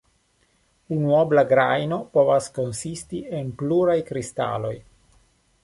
Unuobla grajno povas konsisti el pluraj kristaloj.